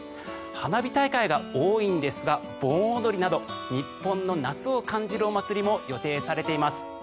花火大会が多いんですが盆踊りなど日本の夏を感じるお祭りも予定されています。